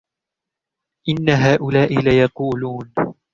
إن هؤلاء ليقولون